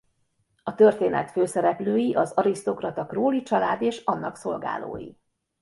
A történet főszereplői az arisztokrata Crawley család és annak szolgálói.